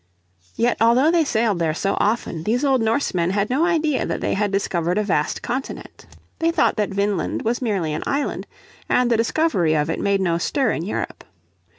Yet although they sailed there so often these old Norsemen had no idea that they had discovered a vast continent. They thought that Vineland was merely an island, and the discovery of it made no stir in Europe.